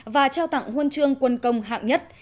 và trao tặng huân chương quân công hạng nhất